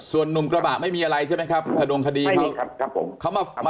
ส่วนหนุ่มกระบะไม่มีอะไรใช่ไหมครับถ้าดงคดีเขาไม่มีครับครับผม